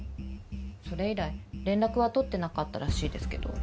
それ以来連絡は取ってなかったらしいですけど。